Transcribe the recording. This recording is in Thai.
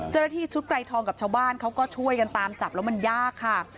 เจ้าหน้าที่ชุดไกรทองกับชาวบ้านเขาก็ช่วยกันตามจับแล้วมันยากค่ะ